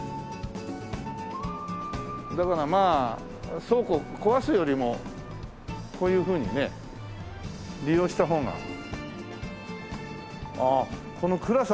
だからまあ倉庫を壊すよりもこういうふうにね利用した方が。ああこの暗さがいやらしいね。